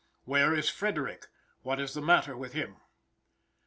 "Where is Frederick what is the matter with him?"